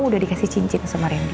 udah dikasih cincin sama randy